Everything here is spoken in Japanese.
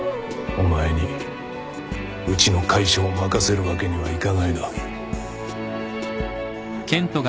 お前にうちの会社を任せるわけにはいかないな。